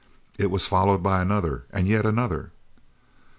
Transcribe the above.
It was followed by another and yet another.